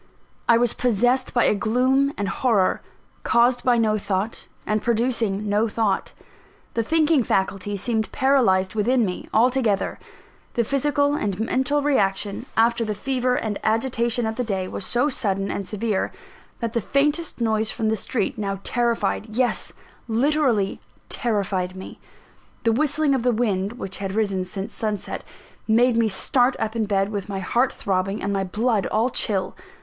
I was possessed by a gloom and horror, caused by no thought, and producing no thought: the thinking faculty seemed paralysed within me, altogether. The physical and mental reaction, after the fever and agitation of the day, was so sudden and severe, that the faintest noise from the street now terrified yes, literally terrified me. The whistling of the wind which had risen since sunset made me start up in bed, with my heart throbbing, and my blood all chill.